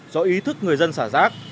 do ý thức người dân xả rác